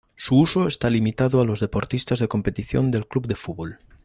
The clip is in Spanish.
Su uso está limitado a los deportistas de competición del club de fútbol.